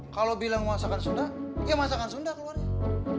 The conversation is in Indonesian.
kalau bilang masakan sunda ya masakan sunda keluarnya